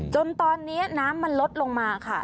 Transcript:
จนตอนนี้น้ำมันลดลงมาค่ะ